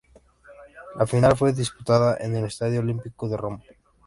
La final fue disputada en el Estadio Olímpico de Roma.